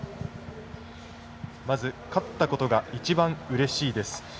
まず、勝ったことが一番うれしいです。